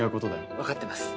わかってます。